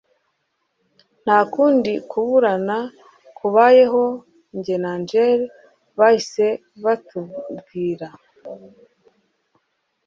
Nta kundi kuburana kubayeho njye na Angel bahise batubwira